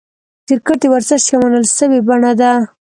کرکټ د ورزش یوه منل سوې بڼه ده.